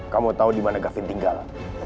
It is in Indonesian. kamu tau dimana gavin tinggal